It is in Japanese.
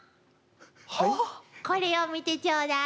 これを見てちょうだい。